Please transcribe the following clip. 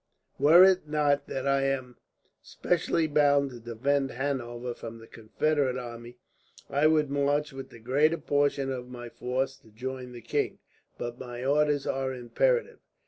"Were it not that I am specially bound to defend Hanover from the Confederate army, I would march with the greater portion of my force to join the king; but my orders are imperative.